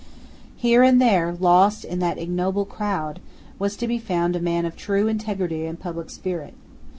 Here and there, lost in that ignoble crowd, was to be found a man of true integrity and public spirit.